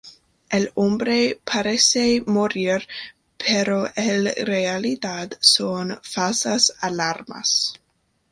El hombre parece morir, pero en realidad son "falsas alarmas".